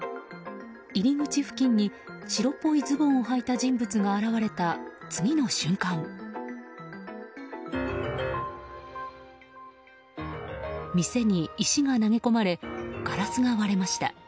入り口付近に白っぽいズボンをはいた人物が現れた次の瞬間店に石が投げ込まれガラスが割れました。